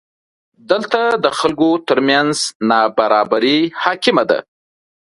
دلته د خلکو ترمنځ نابرابري حاکمه ده.